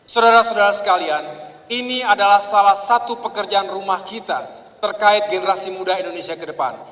saudara saudara sekalian ini adalah salah satu pekerjaan rumah kita terkait generasi muda indonesia ke depan